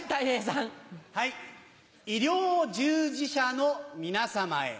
はい、医療従事者の皆様へ。